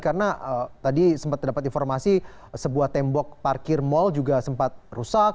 karena tadi sempat terdapat informasi sebuah tembok parkir mal juga sempat rusak